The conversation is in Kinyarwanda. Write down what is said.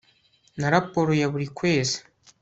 na raporo ya buri kwezi